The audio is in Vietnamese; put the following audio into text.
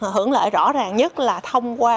hưởng lợi rõ ràng nhất là thông qua